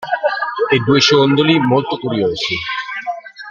E due ciondoli molto curiosi.